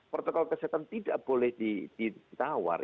protokol kesehatan tidak boleh ditawar